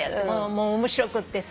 もう面白くってさ。